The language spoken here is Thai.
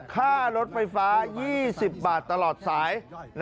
ค่ารถไฟฟ้า๒๐บาทตลอดสาย